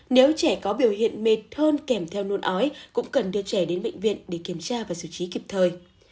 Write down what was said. nếu trẻ có biểu hiện mệt hơn kèm theo nôn ói cũng cần đưa trẻ đến bệnh viện để kiểm tra và xử trí kịp thời